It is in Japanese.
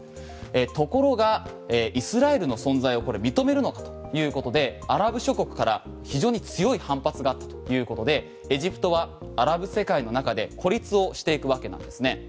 ところがイスラエルの存在を認めるのかということでアラブ諸国から非常に強い反発があったということでエジプトはアラブ世界の中で孤立をしていくわけなんですね。